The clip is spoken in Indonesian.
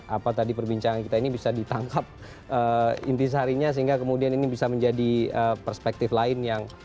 apa tadi perbincangan kita ini bisa ditangkap inti seharinya sehingga kemudian ini bisa menjadi perspektif lain yang